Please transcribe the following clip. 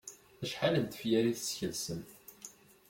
Acḥal n tefyar i teskelsem?